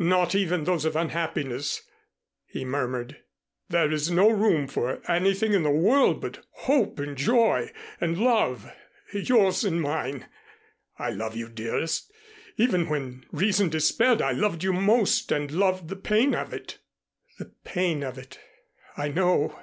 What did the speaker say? Not even those of unhappiness," he murmured. "There is no room for anything in the world but hope and joy and love yours and mine. I love you, dearest. Even when reason despaired, I loved you most and loved the pain of it." "The pain of it I know."